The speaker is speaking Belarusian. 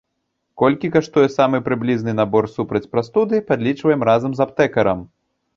Колькі каштуе самы прыблізны набор супраць прастуды, падлічваем разам з аптэкарам.